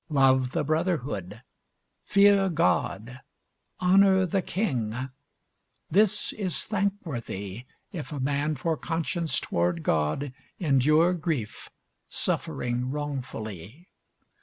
Love the brotherhood. Fear God. Honour the king. This is thankworthy, if a man for conscience toward God endure grief, suffering wrongfully.